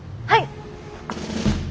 はい！